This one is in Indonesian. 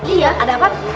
iya ada apaan